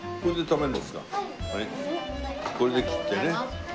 これで切ってね。